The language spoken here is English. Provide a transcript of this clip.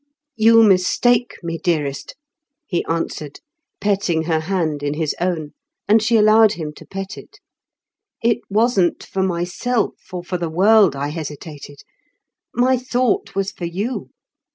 "You mistake me, dearest," he answered, petting her hand in his own (and she allowed him to pet it). "It wasn't for myself, or for the world I hesitated. My thought was for you.